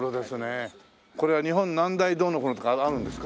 これは日本何大どうのこうのとかあるんですか？